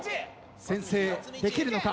先制できるのか？